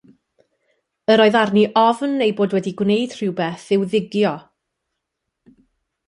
Yr oedd arni ofn ei bod wedi gwneud rhywbeth i'w ddigio.